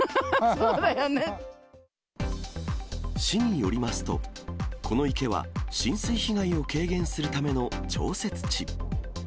市によりますと、この池は、浸水被害を軽減するための調節池。